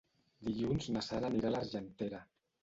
Dilluns na Sara anirà a l'Argentera.